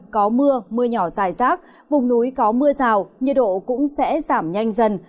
có mưa mưa nhỏ dài rác vùng núi có mưa rào nhiệt độ cũng sẽ giảm nhanh dần